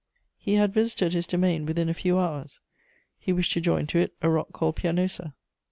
He had visited his domain within a few hours; he wished to join to it a rock called Pianosa.